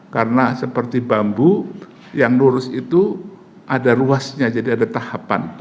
karena seperti bambu yang lurus itu ada ruasnya jadi ada tahapan